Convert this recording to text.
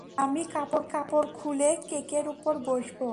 আর আমি কাপড় খুলে কেকের উপর বসবো।